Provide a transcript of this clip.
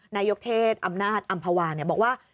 นายกเทศอำนาจอำภาวาบอกว่า